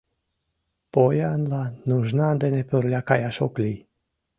Поянлан нужна дене пырля каяш ок лий.